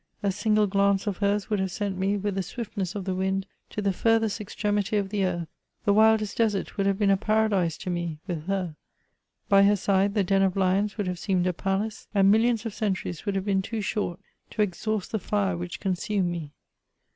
A single glance of hers would have sent me, with the swiftness of the wind, to the farthest extremity of the earth ; the wildest desert would have been a paradise to me with her ; by her side, the den of hons would have seemed a palace, and milUons of centuries would have been too short to exhaust the fire which consumed me.